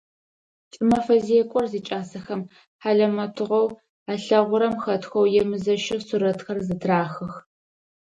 Кӏымэфэ зекӏор зикӏасэхэм хьалэмэтыгъэу алъэгъурэм хэтхэу емызэщэу сурэтхэр зытрахых.